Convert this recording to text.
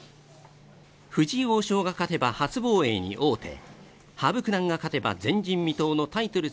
藤井王将が勝てば初防衛に王手、羽生九段が勝てば前人未到のタイトル